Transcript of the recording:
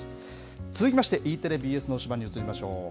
続きまして、Ｅテレ、ＢＳの推しバン！に移りましょう。